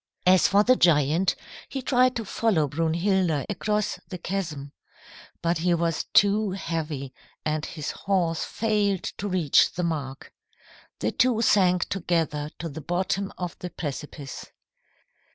"As for the giant, he tried to follow Brunhilda across the chasm. But he was too heavy and his horse failed to reach the mark. The two sank together to the bottom of the precipice."